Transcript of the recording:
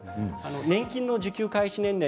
年金の受給開始年齢